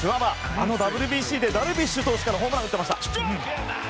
あのＷＢＣでダルビッシュ投手からホームランを打ってました。